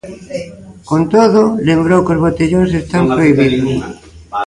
Con todo, lembrou que os botellóns están "prohibidos".